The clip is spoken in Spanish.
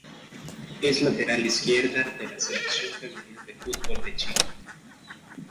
Es lateral izquierda de la Selección femenina de fútbol de Chile.